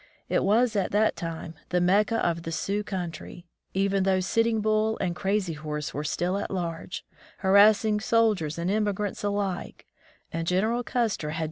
It was at that time the Mecca of the Sioux country ; even though Sitting Bull and Crazy Horse were still at large, harassing soldiers and emigrants alike, and General Custer had.